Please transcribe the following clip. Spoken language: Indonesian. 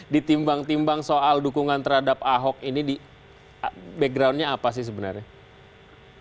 ditimbang timbang soal dukungan terhadap ahok ini backgroundnya apa sih sebenarnya